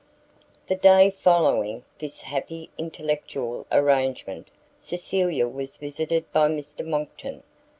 The day following this happy intellectual arrangement, Cecilia was visited by Mr Monckton.